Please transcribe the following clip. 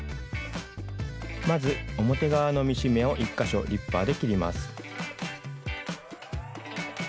まず表側のミシン目を１か所リッパーで切ります。